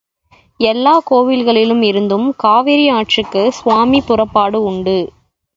எல்லாக் கோவில்களில் இருந்தும் காவிரி ஆற்றுக்குச் சுவாமி புறப்பாடு உண்டு.